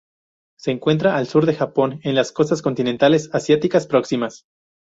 Se encuentra al sur del Japón en las costas continentales asiáticas próximas.